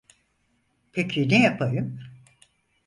Peki ne yapayım?